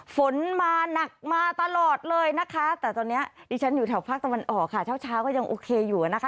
ฝนมาหนักมาตลอดเลยนะคะแต่ตอนนี้ดิฉันอยู่แถวภาคตะวันออกค่ะเช้าเช้าก็ยังโอเคอยู่นะคะ